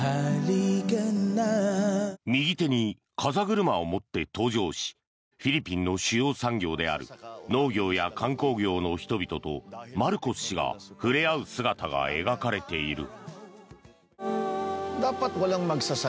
右手に風車を持って登場しフィリピンの主要産業である農業や観光業の人々とマルコス氏が触れ合う姿が描かれている。